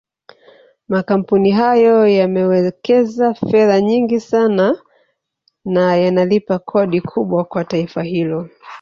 Makampuni hayo yamewekeza fedha nyingi sana na yanalipa kodi kubwa kwa taifa hilo